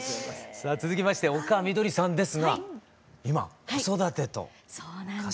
さあ続きまして丘みどりさんですが今子育てとそうなんです。